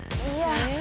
いや。